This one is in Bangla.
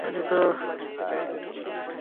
এখানে আসতে কোনো সমস্যা হয়নি তো?